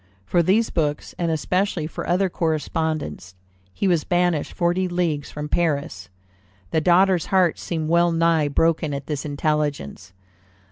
For these books, and especially for other correspondence, he was banished forty leagues from Paris. The daughter's heart seemed well nigh broken at this intelligence.